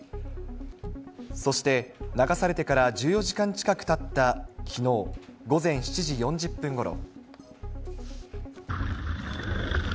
そして、流されてから１４時間近くたったきのう午前７時４０分ごろ。